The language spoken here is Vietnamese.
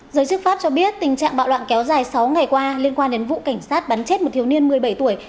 giới chức pháp cho biết tình trạng bạo loạn kéo dài sáu ngày qua liên quan đến vụ cảnh sát bắn chết một thiếu niên một mươi bảy tuổi